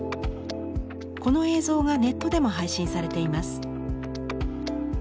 この映像がネットでも配信されています。